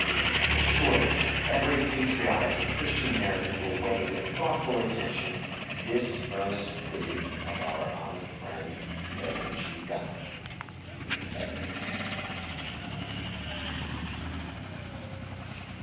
Surely every patriotic and Christian American will weigh with thoughtful attention this earnest plea of our honored friend, Rev. Jee Gam.—Editor.